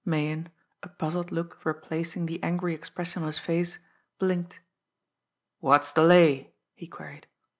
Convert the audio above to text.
Meighan, a puzzled look replacing the angry expression on his face, blinked. "What's the lay?" he queried.